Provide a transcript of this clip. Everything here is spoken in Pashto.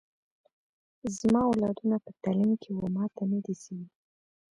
زما اولادونه په تعلیم کي و ماته نه دي سوي